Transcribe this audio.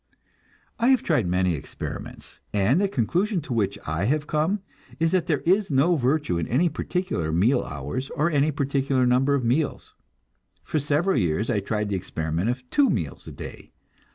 I have tried many experiments, and the conclusion to which I have come is that there is no virtue in any particular meal hours or any particular number of meals. For several years I tried the experiment of two meals a day.